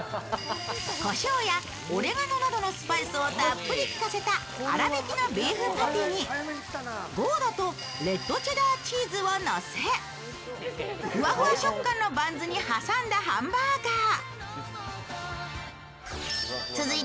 こしょうやオレガノなどのスパイスをたっぷりきかせた粗びきのビーフパティにゴーダとレットチェダーチーズをのせ、ふわふわ食感のバンズに挟んだハンバーガー。